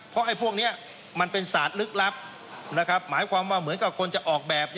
เพราะไอ้พวกนี้มันเป็นศาสตร์ลึกลับหมายความว่าเหมือนกับคนจะออกแบบ